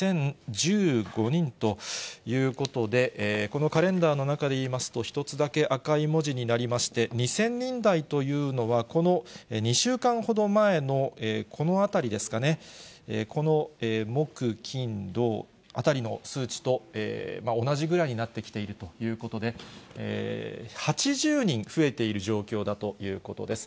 ２０１５人ということで、このカレンダーの中で言いますと、１つだけ赤い文字になりまして、２０００人台というのは、この２週間ほど前のこのあたりですかね、この木、金、土あたりの数値と同じぐらいになってきているということで、８０人増えている状況だということです。